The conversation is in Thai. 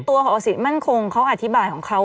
ขออสิทธมั่นคงเขาอธิบายของเขา